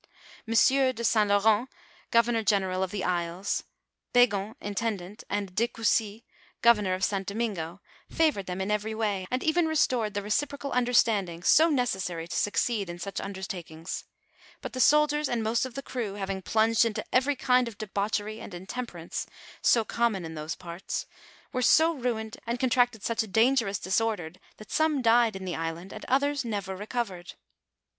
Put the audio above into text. M. de St. Laurent, govenior general of the Isles, Begon, intendant, and de Cussy, governor of St. Domingo, favored them in every way, and even restored the reciprocal under standing so necessary to succeed in such undertakings ; but the soldiers, and most of the crew, having plunged into every kind of debauchery and intemperance, so common in those parts, were so ruined and contracted such dangerous disor ders that some died in the island, and others never recovered.